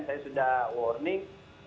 saya sudah warning